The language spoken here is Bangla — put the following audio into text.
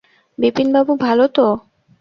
বিপিনবাবু ভালো তো?